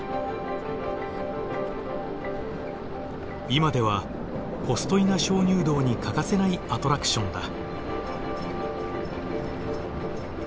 今ではポストイナ鍾乳洞に欠かせないアトラクションだ。